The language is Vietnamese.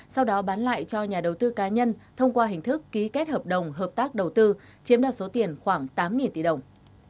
sau đó bán lại cho nhà đầu tư cá nhân thông qua hình thức ký kết hợp đồng hợp tác đầu tư chiếm đạt số tiền khoảng tám tỷ đồng